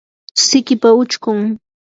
sikipa uchkun